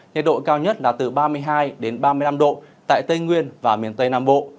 nhiệt độ cao nhất là từ ba mươi hai ba mươi năm độ tại tây nguyên và miền tây nam bộ